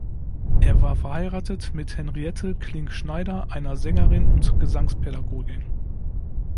Er war verheiratet mit Henriette Klink-Schneider, einer Sängerin und Gesangspädagogin.